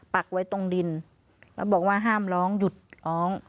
ปักไว้ตรงดินแล้วบอกว่าห้ามร้องหยุดร้อง